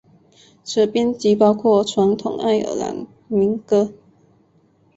此专辑包括传统爱尔兰民歌。